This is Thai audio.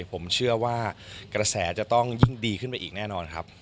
ผมเชื่อว่ากระแสจะต้องยิ่งดีขึ้นไปอีกแน่นอนครับ